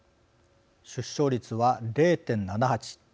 出生率は０．７８